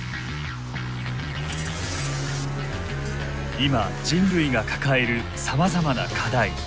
今人類が抱えるさまざまな課題。